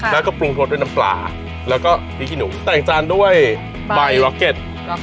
แล้วก็ปรุงรสด้วยน้ำปลาแล้วก็พริกขี้หนูแต่งจานด้วยใบล็อกเก็ต